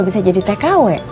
bisa jadi tkw